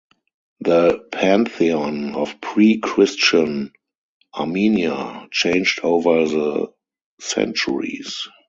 The pantheon of pre-Christian Armenia changed over the centuries.